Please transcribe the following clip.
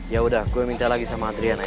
yaudah gue minta lagi sama adriana ya